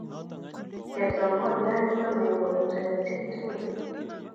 Chepsongolian ku neoo eng' toritik tugul.